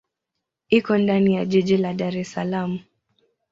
Iko ndani ya jiji la Dar es Salaam.